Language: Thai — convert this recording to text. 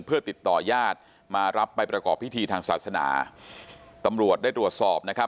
เพื่อติดต่อญาติมารับไปประกอบพิธีทางศาสนาตำรวจได้ตรวจสอบนะครับ